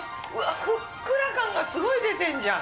ふっくら感がすごい出てんじゃん。